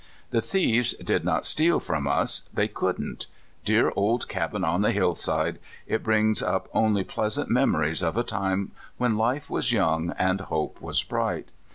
The thieves did not steal from us — they could n't. Dear old cabin on the hill side ! It brings up only pleasant memories of a time when life was young, and hope was bright.